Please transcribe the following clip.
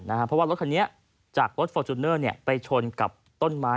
เพราะว่ารถคันนี้จากรถฟอร์จูเนอร์ไปชนกับต้นไม้